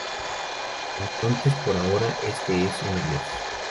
Entonces, por ahora, este es un adiós.